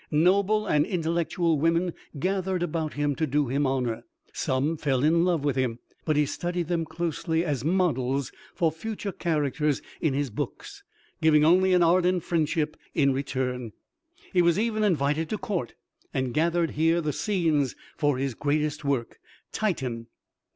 Noble and intellectual women gathered about him to do him honor. Some fell in love with him; but he studied them closely as models for future characters in his books, giving only an ardent friendship in return. He was even invited to court, and gathered here the scenes for his greatest work, "Titan."